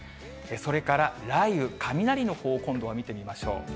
それから雷雨、雷のほう、今度は見てみましょう。